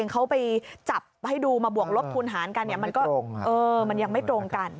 เขาไปจับให้ดูมาบวกลบทุนหารกันมันยังไม่ตรงกัน